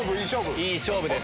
いい勝負です。